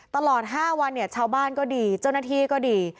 ตลอด๕วันเนี่ยชาวบ้านก็ดีเจ้าหน้าที่ก็ดี